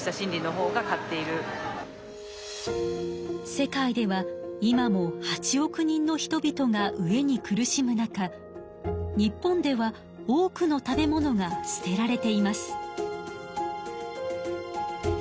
世界では今も８億人の人びとが飢えに苦しむ中日本では多くの食べ物が捨てられています。